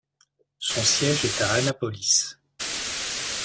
Son siège est à Annapolis.